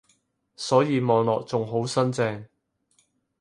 所以望落仲好新淨